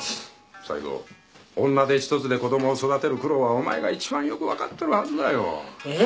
西郷女手１つで子どもを育てる苦労はお前が一番よく分かってるはずだよええ